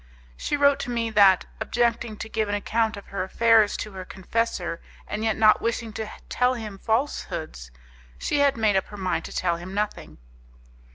She wrote to me that, objecting to give an account of her affairs to her confessor, and yet not wishing to tell him falsehoods, she had made up her mind to tell him nothing.